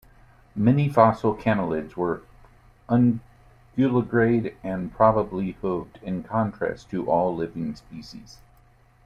Many fossil camelids were unguligrade and probably hooved, in contrast to all living species.